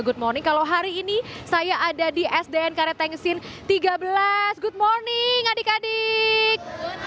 good morning kalau hari ini saya ada di sdn karettengsin tiga belas good morning adik adik